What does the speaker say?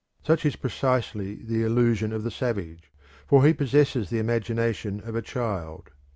Such is precisely the illusion of the savage, for he possesses the imagination of a child.